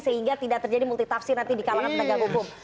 sehingga tidak terjadi multitafsir nanti di kalangan penegak hukum